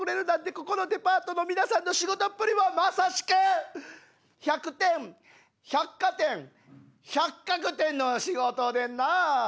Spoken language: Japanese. ここのデパートの皆さんの仕事っぷりはまさしく１００点百貨店「ひゃっかくてん」の仕事でんな。